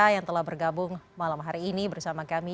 yang telah bergabung malam hari ini bersama kami